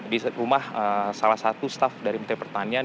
di rumah salah satu staff dari menteri pertanian